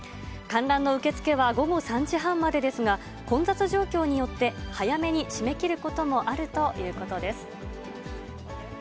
観覧の受け付けは午後３時半までですが、混雑状況によって、早めに締め切ることもあるということです。